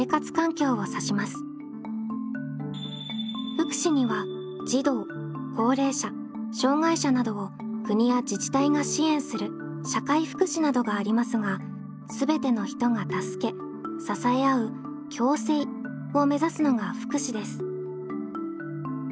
福祉には児童高齢者障害者などを国や自治体が支援する社会福祉などがありますがすべての人が助け支え合う「共生」を目指すのが福祉です。